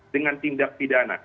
dengan tindak pidana